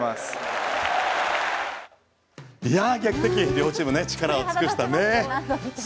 両チーム力を尽くしましたね。